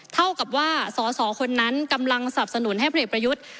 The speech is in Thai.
เท่ากับว่าสสคนนั้นกำลังสับสนุนให้ผลเอกประยุทธ์